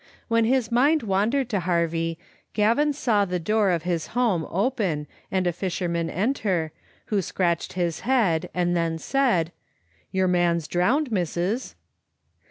When his mind wandered to Harvie, Gavin saw the door of his home open and a fisherman enter, who scratched his head and then said, " Your man's drowned, missis."